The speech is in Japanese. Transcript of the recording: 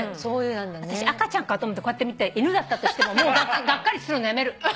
私赤ちゃんかと思ってこうやって見て犬だったとしてももうがっかりするのやめる。